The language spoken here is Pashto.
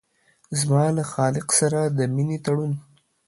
زما له خالق سره د مينې تړون